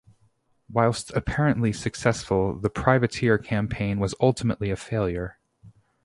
Whilst apparently successful the privateer campaign was ultimately a failure.